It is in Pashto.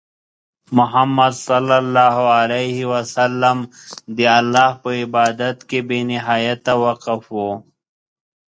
محمد صلى الله عليه وسلم د الله په عبادت کې بې نهایت وقف وو.